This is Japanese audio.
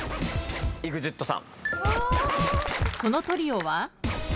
このトリオは？